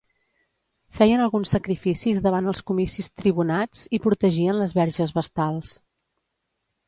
Feien alguns sacrificis davant els comicis tribunats i protegien les verges vestals.